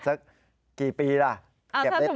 สักกี่ปีล่ะเก็บได้